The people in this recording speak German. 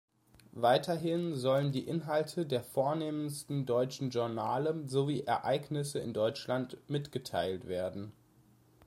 Weiterhin sollen die Inhalte der "vornehmsten" deutschen Journale sowie Ereignisse in Deutschland mitgeteilt werden.